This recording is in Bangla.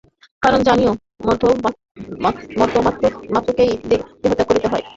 কারণ, জানিও মর্ত্যমাত্রকেই দেহত্যাগ করিতে হয়, ইহাই বিধির বিধান।